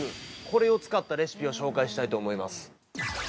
これを使ったレシピを紹介したいと思います。